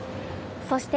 そして、